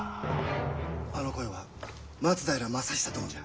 あの声は松平昌久殿じゃ。